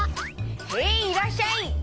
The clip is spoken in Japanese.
へいいらっしゃい！